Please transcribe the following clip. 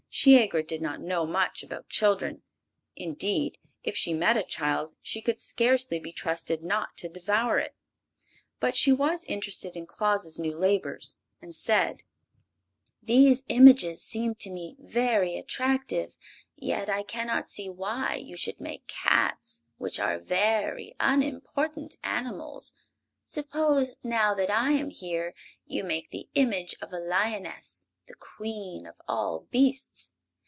Shiegra did not know much about children; indeed, if she met a child she could scarcely be trusted not to devour it. But she was interested in Claus' new labors, and said: "These images seem to me very attractive. Yet I can not see why you should make cats, which are very unimportant animals. Suppose, now that I am here, you make the image of a lioness, the Queen of all beasts.